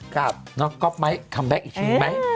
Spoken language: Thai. กับน้องก๊อบไมค์คอมแบ็คอีกชีวิตไหม